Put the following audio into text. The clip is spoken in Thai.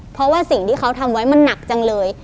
เพราะว่าสิ่งที่เขาทำไว้มันหนักจังเลย